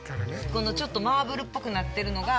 このちょっとマーブルっぽくなっているのが。